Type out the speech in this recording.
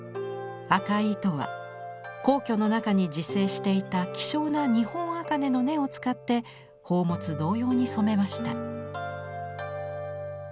赤い糸は皇居の中に自生していた希少な日本茜の根を使って宝物同様に染めました。